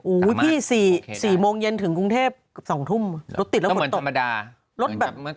อู๋ที่๔โมงเย็นถึงกรุงเทพฯ๒ทุ่มรถติดแล้วหมดต่ออย่างกับเมื่อก่อน